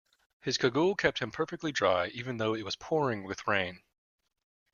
His cagoule kept him perfectly dry even though it was pouring with rain